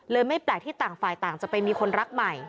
ไม่แปลกที่ต่างฝ่ายต่างจะไปมีคนรักใหม่